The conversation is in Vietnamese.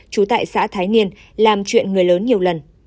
trú tại xã thái niên làm chuyện người lớn nhiều lần